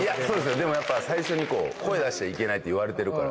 でもやっぱり最初にこう、声出しちゃいけないって言われてるから。